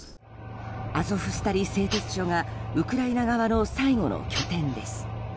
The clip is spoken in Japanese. アゾフスタリ製鉄所がウクライナ側の最後の拠点です。